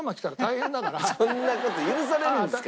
そんな事許されるんですか？